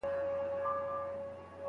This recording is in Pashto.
د هوښيار سړي خبره تر نورو درنه وي.